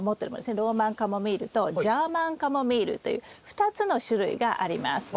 ローマンカモミールとジャーマンカモミールという２つの種類があります。